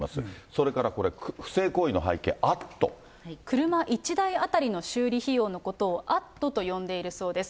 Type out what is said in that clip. それからこれ、不正行為の背景、車１台当たりの修理費用のことをアットと呼んでいるそうです。